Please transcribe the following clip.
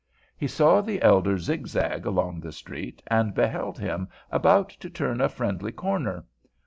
He saw the elder zigzag along the street, and beheld him about to turn a friendly corner.